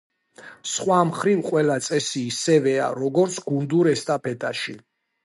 სხვა მხრივ ყველა წესი ისევეა როგორც გუნდურ ესტაფეტაში.